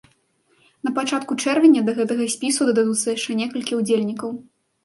На пачатку чэрвеня да гэтага спісу дададуцца яшчэ некалькі ўдзельнікаў.